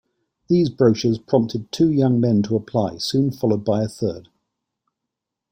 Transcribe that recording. These brochures prompted two young men to apply, soon followed by a third.